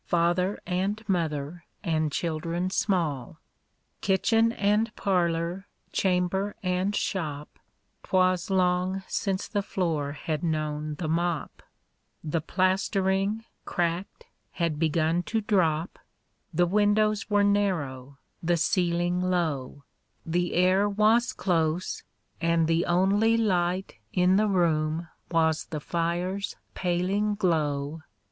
Father and mother and children small. Tin: UAi;v 5 things. 43 Kitchen and parlor, chamber and shop, 'T was loiii^ since the floor had known the mop ; The plasterinj^, cracked, had begun to drop, The windows were narrow, the ceiling low, The air was close, and the only light In the room was the fire's paling glow.